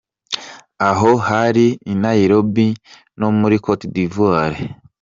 Aho hari i Nairobi no muri Côte d’Ivoire.